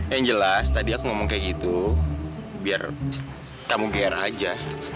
yang jelas tadi aku ngomong kayak gitu biar kamu gear aja